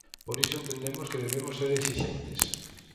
Por iso entendemos que debemos ser exixentes.